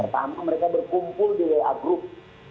pertama mereka berkumpul di wa group